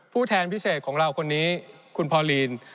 แทนพิเศษของเราคนนี้คุณพอลีน